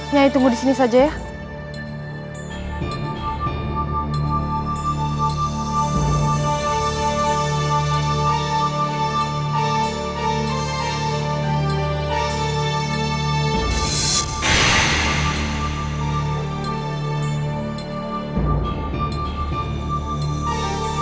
nyai tunggu disini saja ya